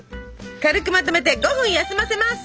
軽くまとめて５分休ませます。